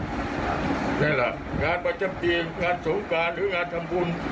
นั่นแหละงานประจำปีงานสงการหรืองานทำบุญ